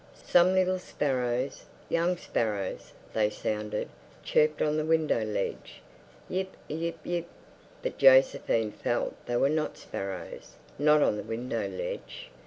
Some little sparrows, young sparrows they sounded, chirped on the window ledge. Yeep—eyeep—yeep. But Josephine felt they were not sparrows, not on the window ledge.